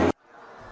các hoạt động mua sắm